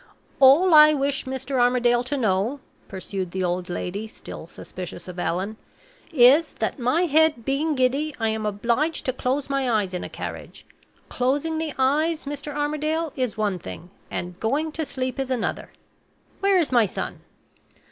"All I wish Mr. Armadale to know," pursued the old lady, still suspicious of Allan, "is, that my head being giddy, I am obliged to close my eyes in a carriage. Closing the eyes, Mr. Armadale, is one thing, and going to sleep is another. Where is my son?"